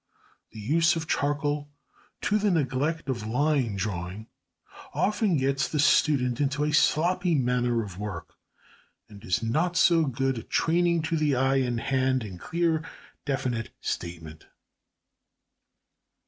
The use of charcoal to the neglect of line drawing often gets the student into a sloppy manner of work, and is not so good a training to the eye and hand in clear, definite statement.